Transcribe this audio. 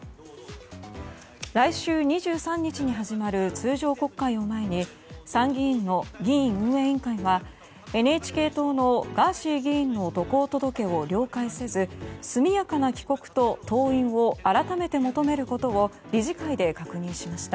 来週２３日に始まる通常国会を前に参議院の議院運営委員会はＮＨＫ党のガーシー議員の渡航届を了解せず速やかな帰国と登院を改めて求めることを理事会で確認しました。